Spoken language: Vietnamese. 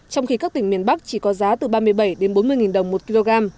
trong khi các tỉnh miền bắc chỉ có giá từ ba mươi bảy đến bốn mươi đồng một kg